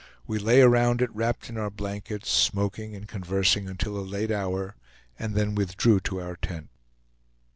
We lay around it wrapped in our blankets, smoking and conversing until a late hour, and then withdrew to our tent.